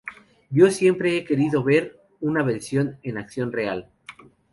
Yo siempre he querido ver una versión en acción real.